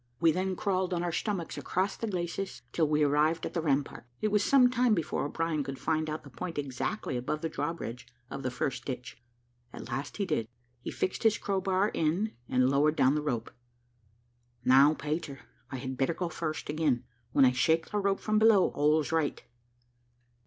We then crawled on our stomachs across the glacis till we arrived at the rampart. It was some time before O'Brien could find out the point exactly above the drawbridge of the first ditch; at last he did he fixed his crow bar in, and lowered down the rope. "Now, Peter, I had better go first again; when I shake the rope from below, all's right."